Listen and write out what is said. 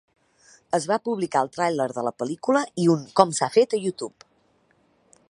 Es va publicar el tràiler de la pel·lícula i un com-s'ha-fet a YouTube.